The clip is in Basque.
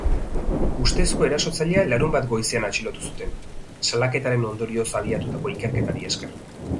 Ustezko erasotzailea larunbat goizean atxilotu zuten salaketaren ondorioz abiatutako ikerketari esker.